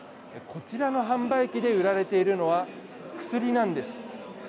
こちらの販売機で売られているのは薬なんです。